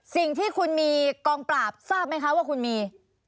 สิ่งที่คุณมีกองปราบทราบไหมคะว่าคุณมี